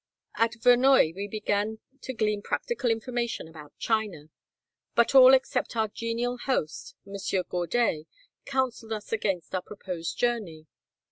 At Vernoye we began to glean practical information about China, but all except our genial host, M. Gourdet, counseled us against our proposed journey.